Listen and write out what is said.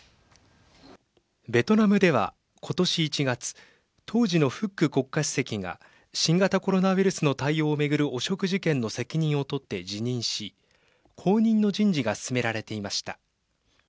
ベトナムでは今年１月当時のフック国家主席が新型コロナウイルスの対応を巡る汚職事件の責任を取って辞任し後任の人事が進められていました。